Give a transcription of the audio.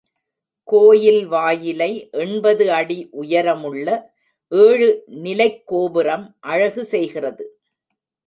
கோயில் வாயிலை எண்பது அடி உயரமுள்ள ஏழு நிலைக் கோபுரம் அழகு செய்கிறது.